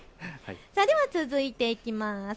では続いて、いきます。